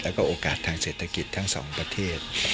แล้วก็โอกาสทางเศรษฐกิจทั้งสองประเทศ